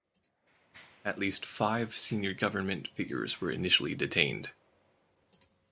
At least five senior government figures were initially detained.